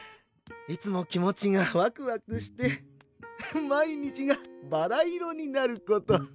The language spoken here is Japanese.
いつも気持ちがワクワクして毎日がバラ色になること。